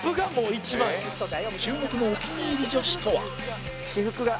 注目のお気に入り女子とは？